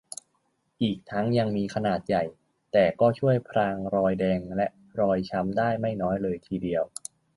อีกทั้งยังมีขนาดใหญ่ แต่ก็ช่วยพรางรอยแดง และรอยช้ำได้ไม่น้อยเลยทีเดียว